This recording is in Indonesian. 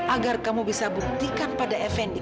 agar kamu bisa buktikan pada effendi